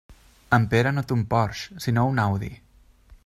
En Pere no té un Porsche sinó un Audi.